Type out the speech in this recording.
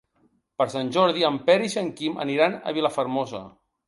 Per Sant Jordi en Peris i en Quim aniran a Vilafermosa.